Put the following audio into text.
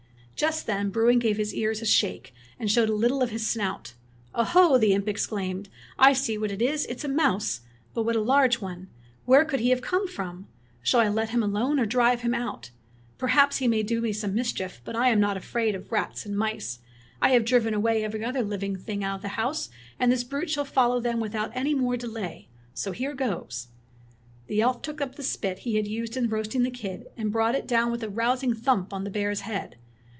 Just then Bruin gave his ears a shake and showed a little of his snout. " Oho !" the imp exclaimed. "I see what it is. It's a mouse; but what a large one ! Where could he have come from.f^ Shall I let him alone or drive him out.^ Perhaps he may do me some mis chief, but I am not afraid of rats and mice. I have driven away every other living thing out of the house, and this brute shall follow them without any more delay. So here goes." The elf took up the spit he had used in roasting the kid, and brought it down with a rousing thump on the bear's head.